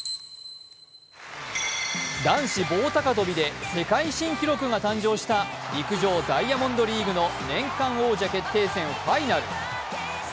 男子棒高跳びで世界新記録が誕生した陸上ダイヤモンドリーグの年間王者決定戦ファイナル。